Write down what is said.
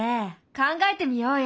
考えてみようよ。